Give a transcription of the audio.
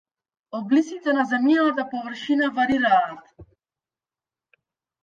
Облиците на земјината површина варираат.